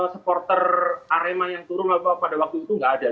supporter arema yang turun pada waktu itu nggak ada